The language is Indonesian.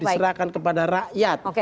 berikan kepada rakyat